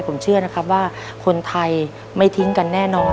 ผมเชื่อนะครับว่าคนไทยไม่ทิ้งกันแน่นอน